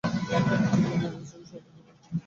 তিনি ইংরেজদের চোখে সর্বাপেক্ষা ভয়ঙ্কর ব্যক্তি ছিলেন।